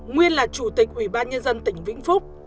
nguyên là chủ tịch ủy ban nhân dân tỉnh vĩnh phúc